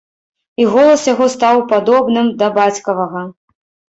І голас яго стаў падобным да бацькавага.